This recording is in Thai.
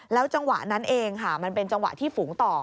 จังหวะนั้นเองค่ะมันเป็นจังหวะที่ฝูงต่อ